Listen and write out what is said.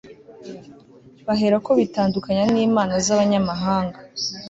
baherako bitandukanya n'imana z'abanyamahanga